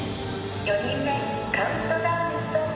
４人目カウントダウンストップ。